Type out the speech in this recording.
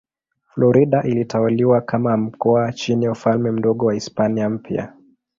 Florida ilitawaliwa kama mkoa chini ya Ufalme Mdogo wa Hispania Mpya.